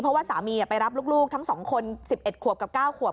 เพราะว่าสามีไปรับลูกทั้ง๒คน๑๑ขวบกับ๙ขวบ